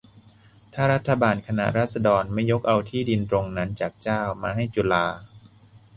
ถ้ารัฐบาลคณะราษฎรไม่ยกเอาที่ดินตรงนั้นจากเจ้ามาให้จุฬา